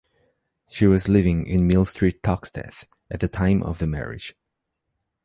She was living in Mill Street Toxteth at the time of the marriage.